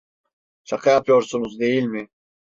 Şaka yapıyorsunuz, değil mi?